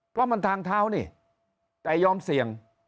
เพราะมันทางเท้านี่แต่ยอมเสี่ยง